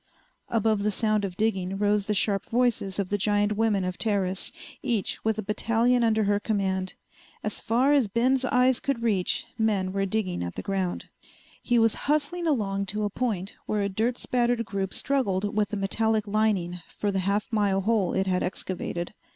Above the sound of digging rose the sharp voices of the giant women of Teris, each with a battalion under her command. As far as Ben's eyes could reach men were digging at the ground. He was hustling along to a point where a dirt spattered group struggled with a metallic lining for the half mile hole it had excavated.